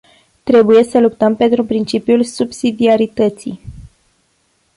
Trebuie să luptăm pentru principiul subsidiarității.